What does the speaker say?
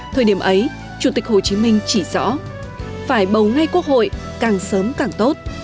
thời điểm ấy chủ tịch hồ chí minh chỉ rõ phải bầu ngay quốc hội càng sớm càng tốt